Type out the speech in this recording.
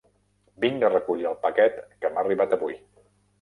Vinc a recollir el paquet que m'ha arribat avui.